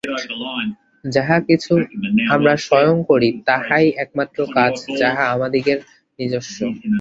যাহা কিছু আমরা স্বয়ং করি, তাহাই একমাত্র কাজ যাহা আমাদিগের নিজস্ব।